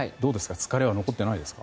疲れは残ってないですか？